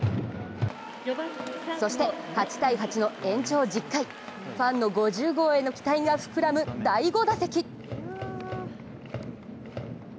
そして８−８の延長１０回、ファンの５０号への期待が膨らむ第５打席。